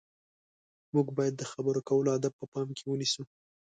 موږ باید د خبرو کولو اداب په پام کې ونیسو.